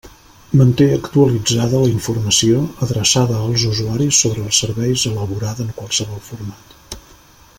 Manté actualitzada la informació adreçada als usuaris sobre els serveis elaborada en qualsevol format.